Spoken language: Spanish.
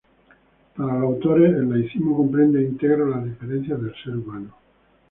Para los autores el laicismo comprende e integra las diferencias del ser humano.